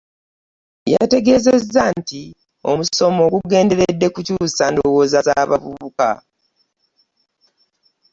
Yategeezezza nti omusomo gugenderedde kukyusa ndowooza z'abavubuka.